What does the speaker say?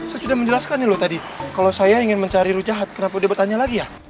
saya sudah menjelaskan tadi kalau saya ingin mencari rujat kenapa dia bertanya lagi ya